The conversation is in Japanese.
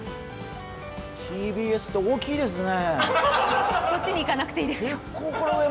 ＴＢＳって大きいですね。